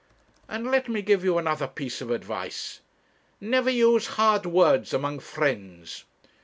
And let me give you another piece of advice: never use hard words among friends.